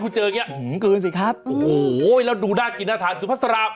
โอ้โหแล้วดูด้านกินหน้าทานสุพัดสราบ